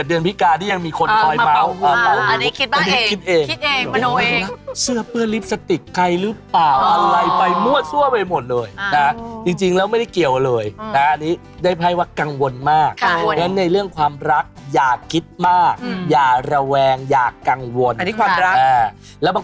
เดือนนี้ผู้ที่เกิดเดือนมีนาคลกังวลมาก